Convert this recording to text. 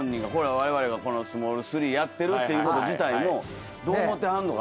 われわれが『スモール３』やってるっていうこと自体もどう思ってはんのかなぁ。